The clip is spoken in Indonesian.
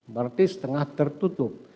berarti setengah tertutup